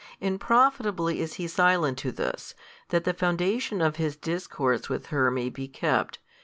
And profitably is He silent to this, that the foundation of His discourse with her may be kept.